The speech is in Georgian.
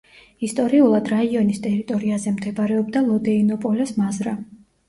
ისტორიულად რაიონის ტერიტორიაზე მდებარეობდა ლოდეინოპოლეს მაზრა.